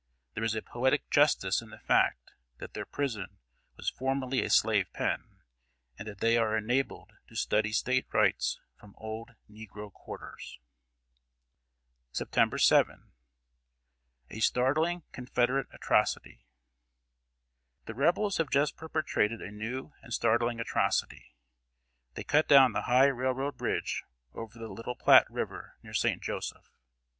There is a poetic justice in the fact that their prison was formerly a slave pen, and that they are enabled to study State Rights from old negro quarters. September 7. [Sidenote: A STARTLING CONFEDERATE ATROCITY.] The Rebels have just perpetrated a new and startling atrocity. They cut down the high railroad bridge over the Little Platte River near St. Joseph.